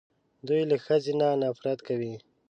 دوی له ښځې نه نفرت کوي